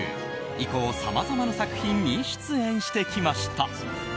以降さまざまな作品に出演してきました。